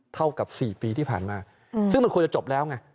เท่ากับ๔ปีที่ผ่านมาซึ่งมันควรจะจบแล้วไง